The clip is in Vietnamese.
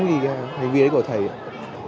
vì hành vi đấy của thầy ạ